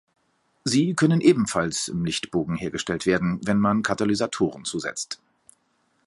Sie können ebenfalls im Lichtbogen hergestellt werden, wenn man Katalysatoren zusetzt.